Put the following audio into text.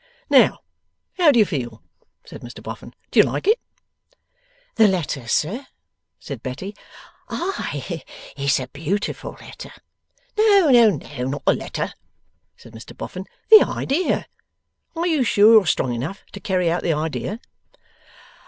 'Now, how do you feel?' said Mr Boffin. 'Do you like it?' 'The letter, sir?' said Betty. 'Ay, it's a beautiful letter!' 'No, no, no; not the letter,' said Mr Boffin; 'the idea. Are you sure you're strong enough to carry out the idea?